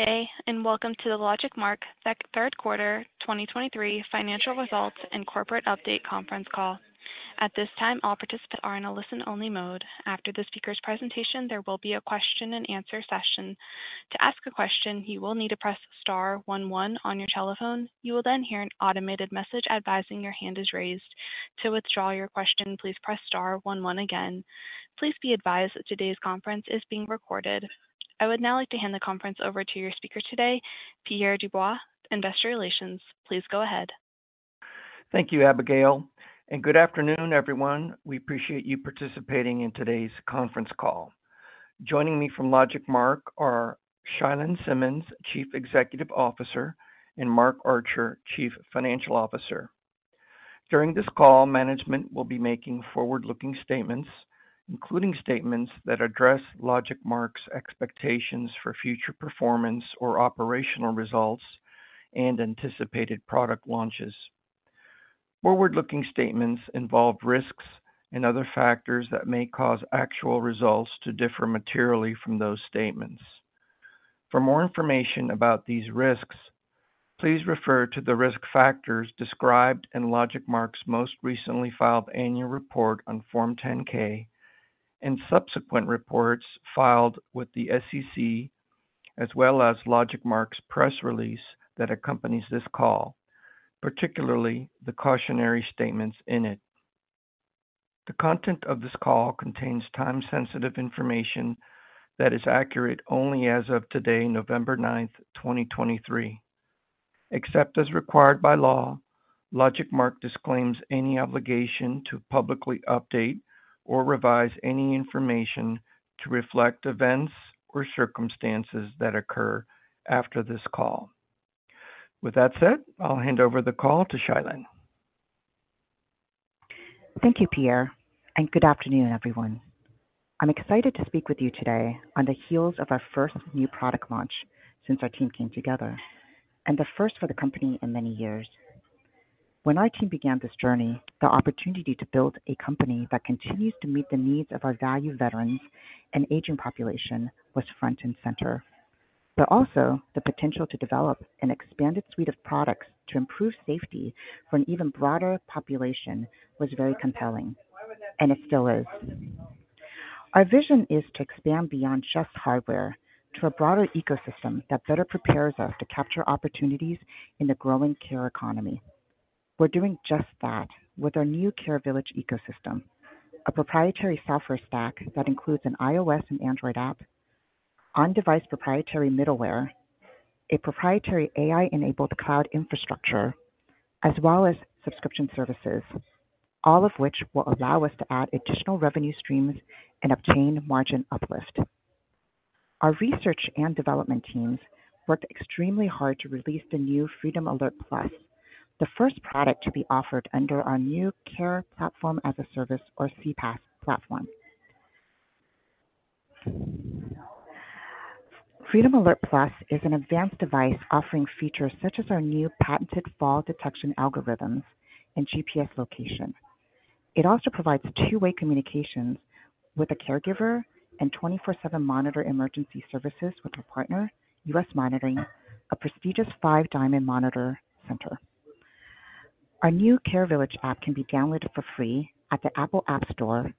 Good day, and welcome to the LogicMark's third quarter 2023 financial results and corporate update conference call. At this time, all participants are in a listen-only mode. After the speaker's presentation, there will be a question and answer session. To ask a question, you will need to press star one one on your telephone. You will then hear an automated message advising your hand is raised. To withdraw your question, please press star one one again. Please be advised that today's conference is being recorded. I would now like to hand the conference over to your speaker today, Pierre Dubois, Investor Relations. Please go ahead. Thank you, Abigail, and good afternoon, everyone. We appreciate you participating in today's conference call. Joining me from LogicMark are Chia-Lin Simmons, Chief Executive Officer, and Mark Archer, Chief Financial Officer. During this call, management will be making forward-looking statements, including statements that address LogicMark's expectations for future performance or operational results and anticipated product launches. Forward-looking statements involve risks and other factors that may cause actual results to differ materially from those statements. For more information about these risks, please refer to the risk factors described in LogicMark's most recently filed annual report on Form 10-K and subsequent reports filed with the SEC, as well as LogicMark's press release that accompanies this call, particularly the cautionary statements in it. The content of this call contains time-sensitive information that is accurate only as of today, November 9th, 2023. Except as required by law, LogicMark disclaims any obligation to publicly update or revise any information to reflect events or circumstances that occur after this call. With that said, I'll hand over the call to Chia-Lin. Thank you, Pierre, and good afternoon, everyone. I'm excited to speak with you today on the heels of our first new product launch since our team came together, and the first for the company in many years. When our team began this journey, the opportunity to build a company that continues to meet the needs of our valued veterans and aging population was front and center, but also the potential to develop an expanded suite of products to improve safety for an even broader population was very compelling, and it still is. Our vision is to expand beyond just hardware to a broader ecosystem that better prepares us to capture opportunities in the growing care economy. We're doing just that with our new Care Village ecosystem, a proprietary software stack that includes an iOS and Android app, on-device proprietary middleware, a proprietary AI-enabled cloud infrastructure, as well as subscription services, all of which will allow us to add additional revenue streams and obtain margin uplift. Our research and development teams worked extremely hard to release the new Freedom Alert Plus, the first product to be offered under our new Care Platform as a Service, or CPaaS platform. Freedom Alert Plus is an advanced device offering features such as our new patented fall detection algorithms and GPS location. It also provides two-way communications with a caregiver and 24/7 monitoring emergency services with our partner, US Monitoring, a prestigious five-diamond monitoring center. Our new Care Village app can be downloaded for free at the Apple App Store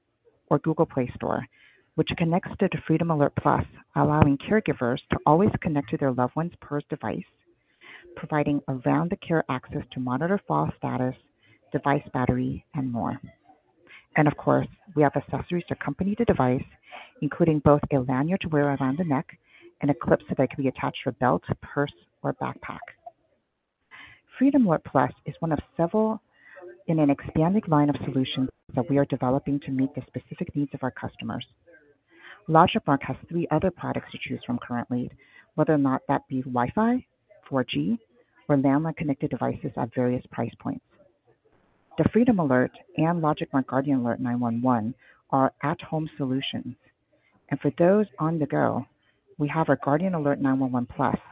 or Google Play Store, which connects to the Freedom Alert Plus, allowing caregivers to always connect to their loved ones per device, providing around-the-clock access to monitor fall status, device battery, and more. Of course, we have accessories to accompany the device, including both a lanyard to wear around the neck and a clip so that it can be attached to a belt, purse, or backpack. Freedom Alert Plus is one of several in an expanded line of solutions that we are developing to meet the specific needs of our customers. LogicMark has three other products to choose from currently, whether or not that be Wi-Fi, 4G, or LAN-connected devices at various price points. The Freedom Alert and LogicMark Guardian Alert 911 are at-home solutions, and for those on the go, we have our Guardian Alert 911 Plus.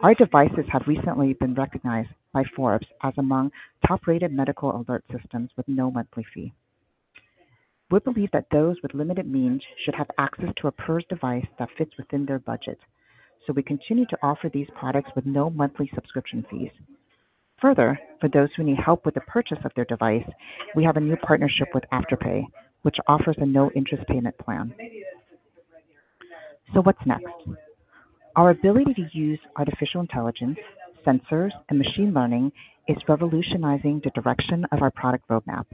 Our devices have recently been recognized by Forbes as among top-rated medical alert systems with no monthly fee. We believe that those with limited means should have access to a PERS device that fits within their budget, so we continue to offer these products with no monthly subscription fees. Further, for those who need help with the purchase of their device, we have a new partnership with Afterpay, which offers a no-interest payment plan. So what's next? Our ability to use artificial intelligence, sensors, and machine learning is revolutionizing the direction of our product roadmap.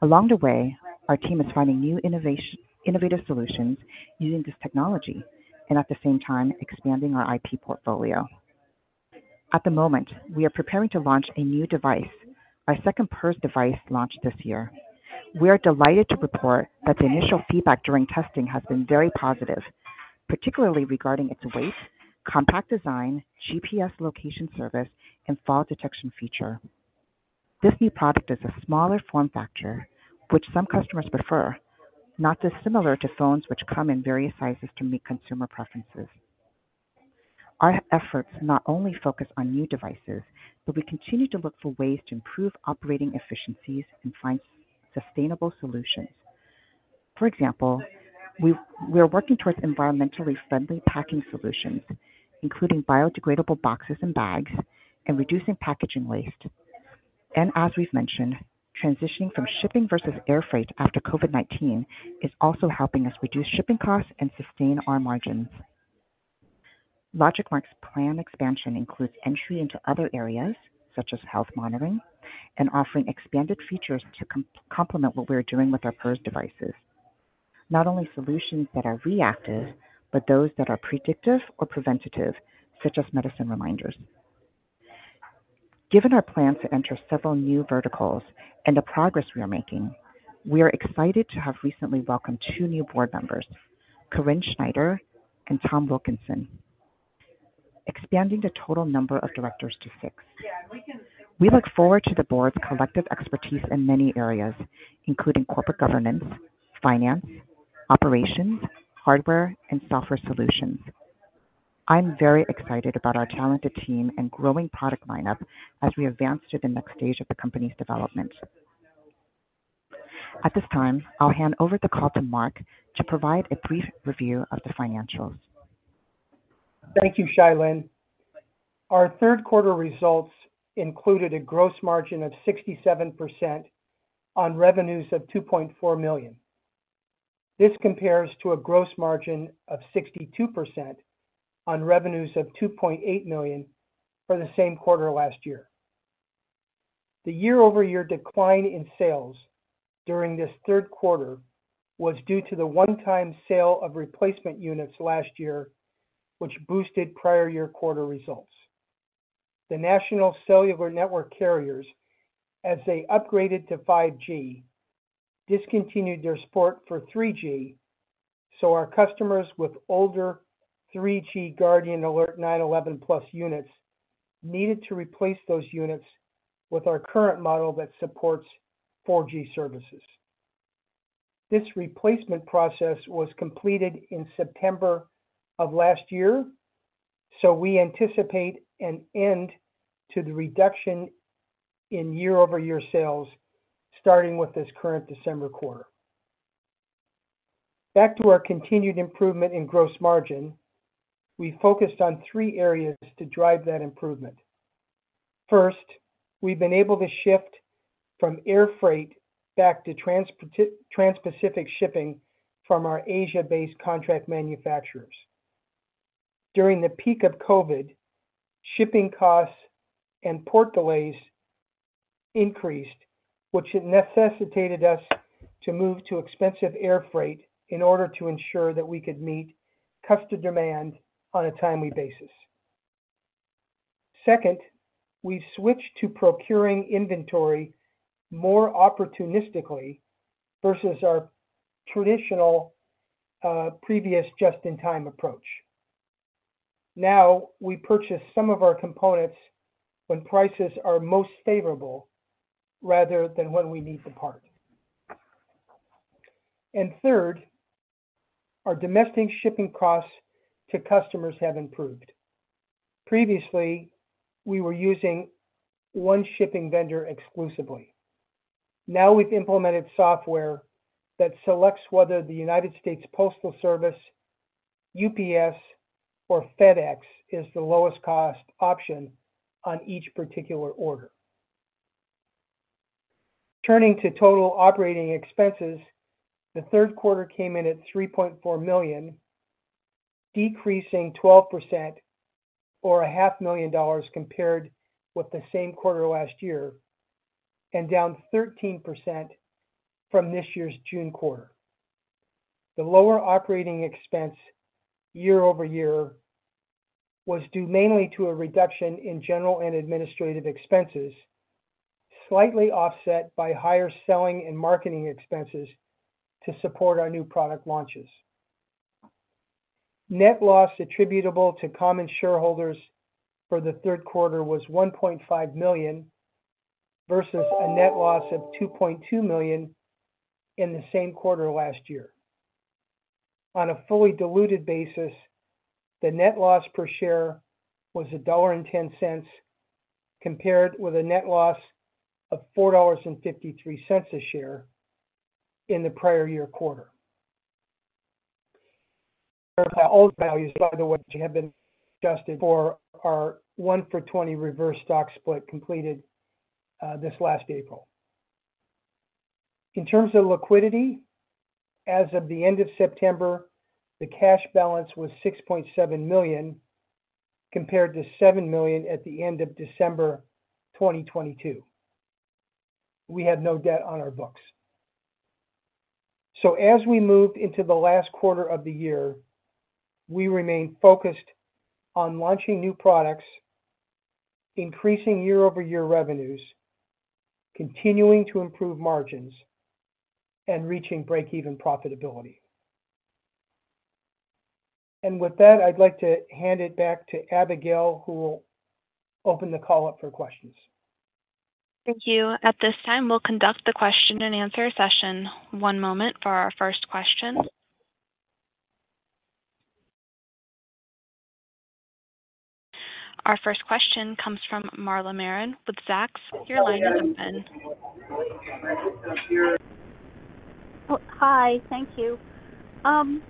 Along the way, our team is finding new innovative solutions using this technology and at the same time expanding our IP portfolio. At the moment, we are preparing to launch a new device, our second PERS device launched this year. We are delighted to report that the initial feedback during testing has been very positive, particularly regarding its weight, compact design, GPS location service, and fall detection feature. This new product is a smaller form factor, which some customers prefer, not dissimilar to phones which come in various sizes to meet consumer preferences. Our efforts not only focus on new devices, but we continue to look for ways to improve operating efficiencies and find sustainable solutions. For example, we are working towards environmentally friendly packing solutions, including biodegradable boxes and bags and reducing packaging waste. And as we've mentioned, transitioning from shipping via air freight after COVID-19 is also helping us reduce shipping costs and sustain our margins. LogicMark's planned expansion includes entry into other areas such as health monitoring and offering expanded features to complement what we're doing with our first devices. Not only solutions that are reactive, but those that are predictive or preventative, such as medicine reminders. Given our plans to enter several new verticals and the progress we are making, we are excited to have recently welcomed two new board members, Carine Schneider and Tom Wilkinson, expanding the total number of directors to six. We look forward to the board's collective expertise in many areas, including corporate governance, finance, operations, hardware, and software solutions. I'm very excited about our talented team and growing product lineup as we advance to the next stage of the company's development. At this time, I'll hand over the call to Mark to provide a brief review of the financials. Thank you, Chia-Lin. Our third quarter results included a gross margin of 67% on revenues of $2.4 million. This compares to a gross margin of 62% on revenues of $2.8 million for the same quarter last year. The year-over-year decline in sales during this third quarter was due to the one-time sale of replacement units last year, which boosted prior year quarter results. The national cellular network carriers, as they upgraded to 5G, discontinued their support for 3G, so our customers with older 3G Guardian Alert 911 Plus units needed to replace those units with our current model that supports 4G services. This replacement process was completed in September of last year, so we anticipate an end to the reduction in year-over-year sales, starting with this current December quarter. Back to our continued improvement in gross margin, we focused on three areas to drive that improvement. First, we've been able to shift from air freight back to transpacific shipping from our Asia-based contract manufacturers. During the peak of COVID, shipping costs and port delays increased, which necessitated us to move to expensive air freight in order to ensure that we could meet customer demand on a timely basis. Second, we switched to procuring inventory more opportunistically versus our traditional, previous just-in-time approach. Now, we purchase some of our components when prices are most favorable rather than when we need the part. And third, our domestic shipping costs to customers have improved. Previously, we were using one shipping vendor exclusively. Now we've implemented software that selects whether the United States Postal Service, UPS, or FedEx is the lowest cost option on each particular order. Turning to total operating expenses, the third quarter came in at $3.4 million, decreasing 12% or $500,000 compared with the same quarter last year, and down 13% from this year's June quarter. The lower operating expense year over year was due mainly to a reduction in general and administrative expenses, slightly offset by higher selling and marketing expenses to support our new product launches. Net loss attributable to common shareholders for the third quarter was $1.5 million, versus a net loss of $2.2 million in the same quarter last year. On a fully diluted basis, the net loss per share was $1.10, compared with a net loss of $4.53 a share in the prior year quarter. Our old values, by the way, have been adjusted for our one for 20 reverse stock split completed this last April. In terms of liquidity, as of the end of September, the cash balance was $6.7 million, compared to $7 million at the end of December 2022. We have no debt on our books. So as we move into the last quarter of the year, we remain focused on launching new products, increasing year-over-year revenues, continuing to improve margins, and reaching break-even profitability. And with that, I'd like to hand it back to Abigail, who will open the call up for questions. Thank you. At this time, we'll conduct the question and answer session. One moment for our first question.... Our first question comes from Marla Marin with Zacks. Your line is open. Hi, thank you. Can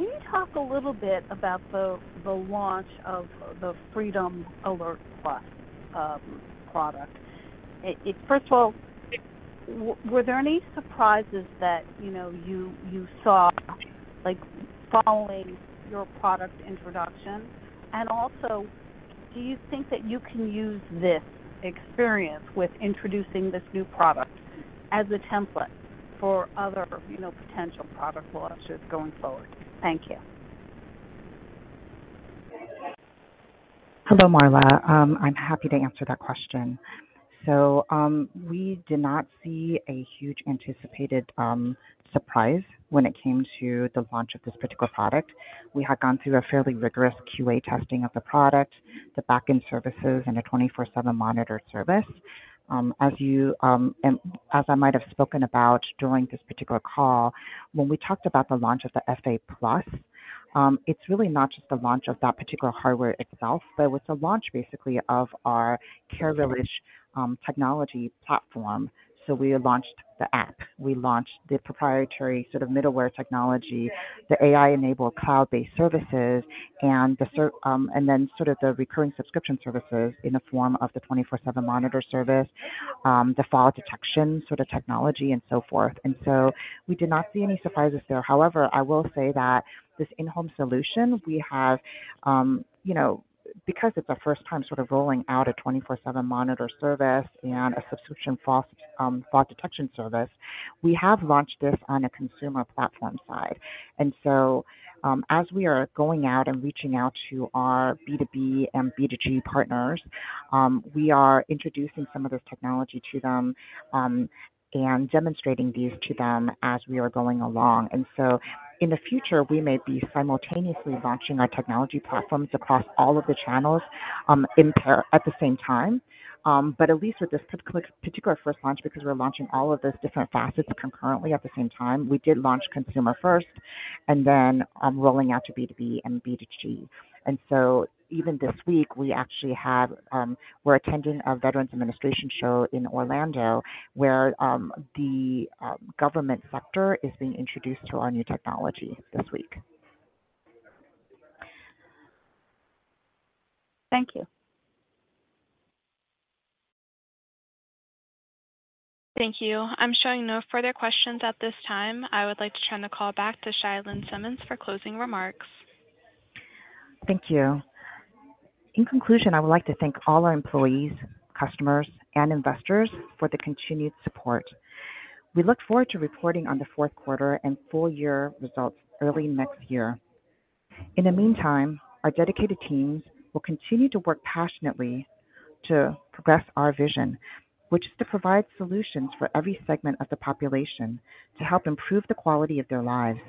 you talk a little bit about the launch of the Freedom Alert Plus product? First of all, were there any surprises that you know you saw, like, following your product introduction? And also, do you think that you can use this experience with introducing this new product as a template for other potential product launches going forward? Thank you. Hello, Marla. I'm happy to answer that question. So, we did not see a huge anticipated surprise when it came to the launch of this particular product. We had gone through a fairly rigorous QA testing of the product, the back-end services, and a 24/7 monitor service. As you and as I might have spoken about during this particular call, when we talked about the launch of the FA Plus, it's really not just the launch of that particular hardware itself, but it was the launch basically of our Care Village technology platform. So we launched the app. We launched the proprietary sort of middleware technology, the AI-enabled cloud-based services, and then sort of the recurring subscription services in the form of the 24/7 monitor service, the fall detection sort of technology and so forth. We did not see any surprises there. However, I will say that this in-home solution, we have, you know, because it's the first time sort of rolling out a 24/7 monitor service and a subscription fall detection service, we have launched this on a consumer platform side. As we are going out and reaching out to our B2B and B2G partners, we are introducing some of this technology to them, and demonstrating these to them as we are going along. In the future, we may be simultaneously launching our technology platforms across all of the channels at the same time. But at least with this particular, particular first launch, because we're launching all of these different facets concurrently at the same time, we did launch consumer first and then, rolling out to B2B and B2G. And so even this week, we actually have, we're attending a Veterans Administration show in Orlando, where, the government sector is being introduced to our new technology this week. Thank you. Thank you. I'm showing no further questions at this time. I would like to turn the call back to Chia-Lin Simmons for closing remarks. Thank you. In conclusion, I would like to thank all our employees, customers, and investors for the continued support. We look forward to reporting on the fourth quarter and full year results early next year. In the meantime, our dedicated teams will continue to work passionately to progress our vision, which is to provide solutions for every segment of the population to help improve the quality of their lives.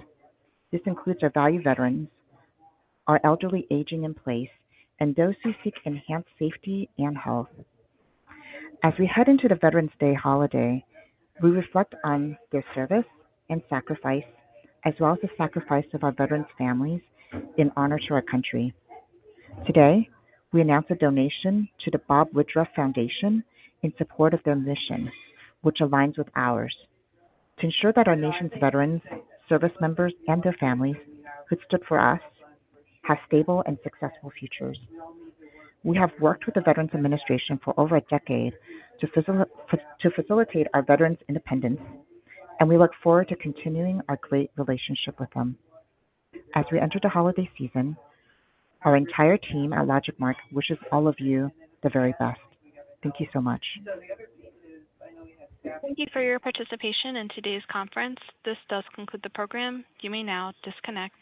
This includes our valued veterans, our elderly aging in place, and those who seek enhanced safety and health. As we head into the Veterans Day holiday, we reflect on their service and sacrifice, as well as the sacrifice of our veterans' families in honor to our country. Today, we announce a donation to the Bob Woodruff Foundation in support of their mission, which aligns with ours, to ensure that our nation's veterans, service members, and their families who stood for us, have stable and successful futures. We have worked with the Veterans Administration for over a decade to facilitate our veterans' independence, and we look forward to continuing our great relationship with them. As we enter the holiday season, our entire team at LogicMark wishes all of you the very best. Thank you so much. Thank you for your participation in today's conference. This does conclude the program. You may now disconnect.